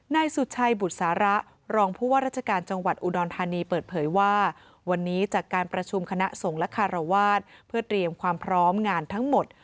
นายสุชัยบุษาระรองผู้ว่าราชการจังหวัดอุดรธานีเปิดเผยว่าวันนี้จากการประชุมคณะสงฆ์และคารวาสเพื่อเตรียมความพร้อมงานทั้งหมด